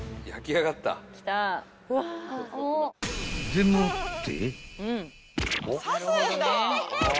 ［でもって］